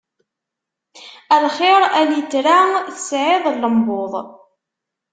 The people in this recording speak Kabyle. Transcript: A lxiṛ, a litra, tesɛiḍ llembuḍ!